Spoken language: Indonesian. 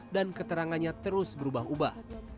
dan keterangannya terus berubah ubah